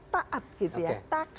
taat gitu ya